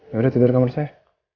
yaudah tidur di kamar saya